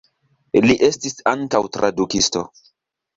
Li estis ankaŭ tradukisto.